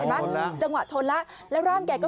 เป็นเรื่องค่ะแล้วเติมมาแนะ่นถ้ายังไหนนะ